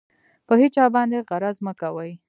په هېچا باندې غرض مه کوئ.